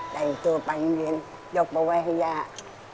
แต่ตัวไปอิงเวรยกไปไว้ให้ยาก